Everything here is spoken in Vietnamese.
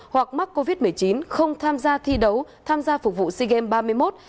hoặc mắc covid một mươi chín không tham gia thi đấu tham gia phục vụ sea games ba mươi một